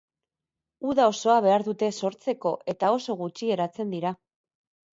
Uda osoa behar dute sortzeko, eta oso gutxi eratzen dira.